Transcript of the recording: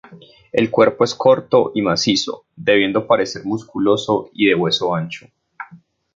El cuerpo es corto y macizo, debiendo parecer musculoso y de hueso ancho.